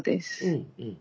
うんうん。